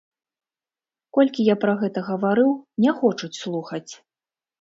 Колькі я пра гэта гаварыў, не хочуць слухаць.